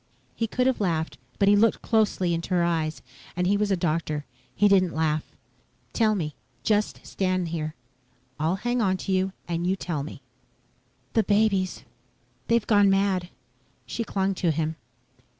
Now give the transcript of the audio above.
He could have laughed, but he had looked closely into her eyes and he was a doctor. He didn't laugh. "Tell me. Just stand here. I'll hang onto you and you tell me." "The babies they've gone mad." She clung to him.